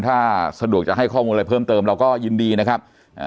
ถ้าสะดวกจะให้ข้อมูลอะไรเพิ่มเติมเราก็ยินดีนะครับอ่า